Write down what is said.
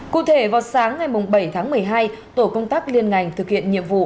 cụ thể vào sáng ngày bảy tháng một mươi hai tổ công tác liên ngành thực hiện nhiệm vụ